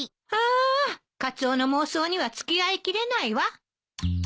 あカツオの妄想には付き合いきれないわ。